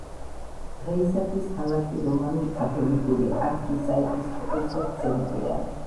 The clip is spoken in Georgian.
დღეისათვის, ქალაქი რომანულ-კათოლიკური არქისაეპისკოპოსოს ცენტრია.